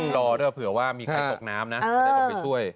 รอด้วยเผื่อว่ามีใครตกน้ำนะจะได้ลงไปช่วย